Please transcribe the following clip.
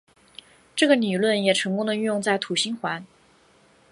这个理论也成功的运用在土星环。